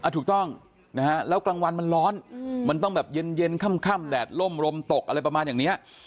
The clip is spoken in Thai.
ถูกต้องนะฮะแล้วกลางวันมันร้อนมันต้องแบบเย็นค่ำแดดล่มลมตกอะไรประมาณอย่างนี้